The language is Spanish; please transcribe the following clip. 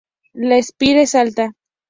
La espira es alta.